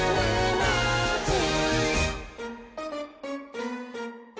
ノージー！